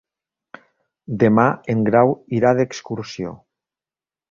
Demà en Grau irà d'excursió.